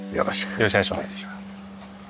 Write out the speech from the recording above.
よろしくお願いします。